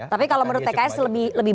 tapi kalau menurut pks lebih